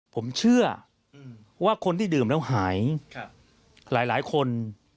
ผมเชื่อว่าคนที่ดื่มแล้วหายหลายคน